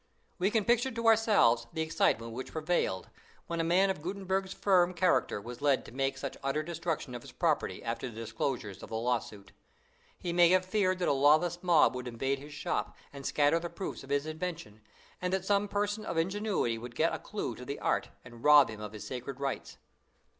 We can picture to ourselves the excitement which prevailed, when a man of Gutenberg's firm character was led to make such utter destruction of his property after the disclosures of the lawsuit. He may have feared that a lawless mob would invade his shop, and scatter the proofs of his invention, and that some person of ingenuity would get a clew to the art, and rob him of his sacred rights.